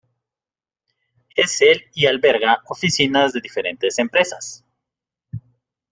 Es el y alberga oficinas de diferentes empresas.